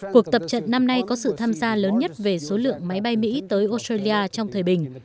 cuộc tập trận năm nay có sự tham gia lớn nhất về số lượng máy bay mỹ tới australia trong thời bình